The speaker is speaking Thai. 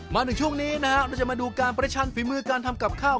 มาถึงช่วงนี้นะครับเราจะมาดูการประชันฝีมือการทำกับข้าว